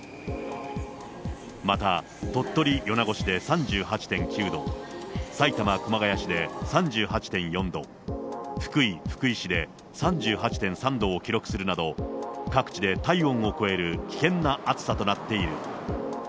また、鳥取・米子市で３８．９度、埼玉・熊谷市で３８．４度、福井・福井市で３８．３度を記録するなど、各地で体温を超える危険な暑さとなっている。